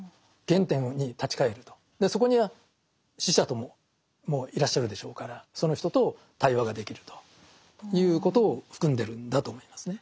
そこには死者ともいらっしゃるでしょうからその人と対話ができるということを含んでるんだと思いますね。